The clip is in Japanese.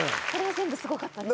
全部すごかったですね。